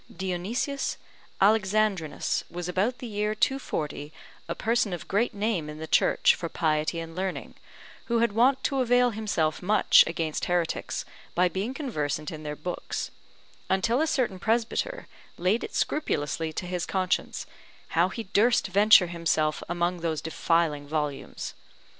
Dionysius Alexandrinus was about the year 240 a person of great name in the Church for piety and learning, who had wont to avail himself much against heretics by being conversant in their books; until a certain presbyter laid it scrupulously to his conscience, how he durst venture himself among those defiling volumes.